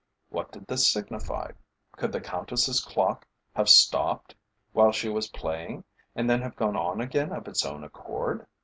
What did this signify? Could the Countess's clock have stopped while she was playing and then have gone on again of its own accord?